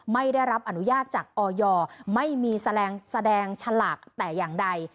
ไม่ได้รับอนุญาตจากออยไม่มีแสดงฉลากแต่อย่างใด